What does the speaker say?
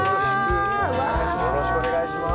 よろしくお願いします。